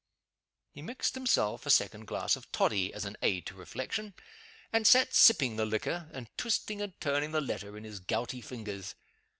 He mixed himself a second glass of toddy, as an aid to reflection, and sat sipping the liquor, and twisting and turning the letter in his gouty fingers.